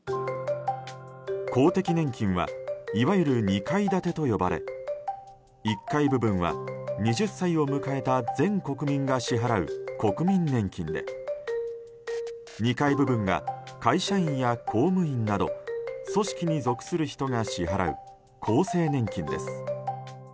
公的年金はいわゆる２階建てと呼ばれ１階部分は２０歳を迎えた全国民が支払う国民年金で２階部分が会社員や公務員など組織に属する人が支払う厚生年金です。